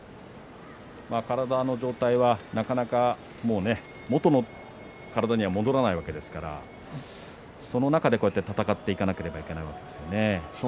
体の状態は、なかなかもう元の体には戻らないわけですからその中で、こうやって戦っていかなければなりません。